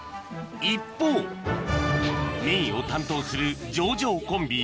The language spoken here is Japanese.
一方メインを担当する城城コンビ